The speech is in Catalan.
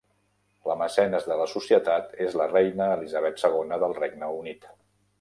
La mecenes de la societat és la reina Elisabet II del Regne Unit.